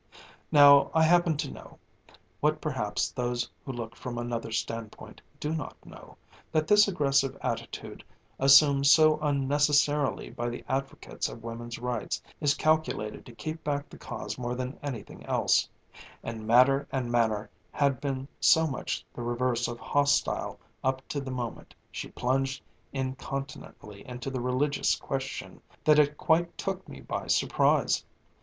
Now I happen to know what perhaps those who look from another standpoint do not know that this aggressive attitude assumed so unnecessarily by the advocates of woman's rights is calculated to keep back the cause more than anything else; and matter and manner had been so much the reverse of hostile up to the moment she plunged incontinently into the religious question, that it quite took me by surprise.